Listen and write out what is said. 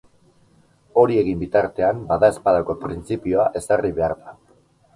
Hori egin bitartean, badaezpadako printzipioa ezarri behar da.